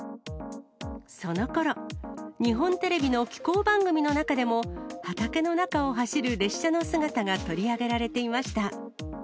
そのころ、日本テレビの紀行番組の中でも、畑の中を走る列車の姿が取り上げられていました。